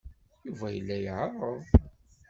Yuba yella iɛerreḍ.